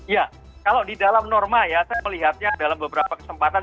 ya kalau di dalam norma ya saya melihatnya dalam beberapa kesempatan